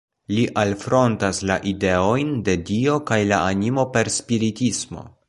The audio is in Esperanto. Li alfrontas la ideojn de Dio kaj la animo per spiritismo.